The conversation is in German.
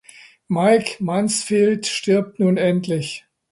Mike Mansfield stirbt nun endlich.